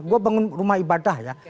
gue bangun rumah ibadah ya